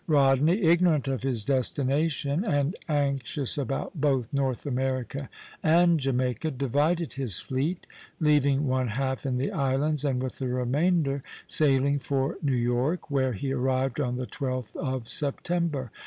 Rodney, ignorant of his destination, and anxious about both North America and Jamaica, divided his fleet, leaving one half in the islands, and with the remainder sailing for New York, where he arrived on the 12th of September.